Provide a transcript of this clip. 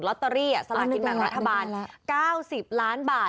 ลอตเตอรี่สลากินแบ่งรัฐบาล๙๐ล้านบาท